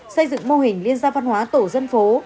xây dựng mô hình liên gia văn hóa tổ dân phố